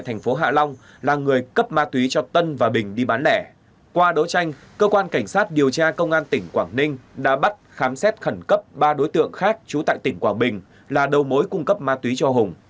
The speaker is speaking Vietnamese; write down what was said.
qua đấu tranh cơ quan cảnh sát điều tra công an tỉnh quảng ninh đã bắt khám xét khẩn cấp ba đối tượng khác trú tại tỉnh quảng bình là đầu mối cung cấp ma túy cho hùng